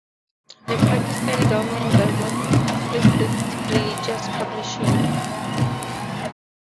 The Pakistani government does not restrict religious publishing.